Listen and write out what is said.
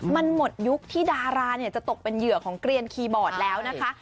มันหมดยุคที่ดาราจะตกเป็นเหยื่อของเกลียนคีย์บอร์ดแล้วนะคะ